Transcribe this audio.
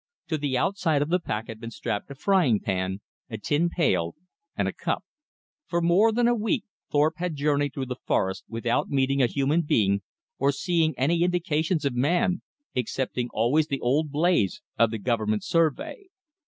To the outside of the pack had been strapped a frying pan, a tin pail, and a cup. For more than a week Thorpe had journeyed through the forest without meeting a human being, or seeing any indications of man, excepting always the old blaze of the government survey.